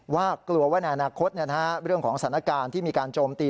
ว่ากลัวว่าในอนาคตเรื่องของสถานการณ์ที่มีการโจมตี